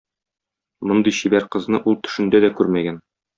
Мондый чибәр кызны ул төшендә дә күрмәгән.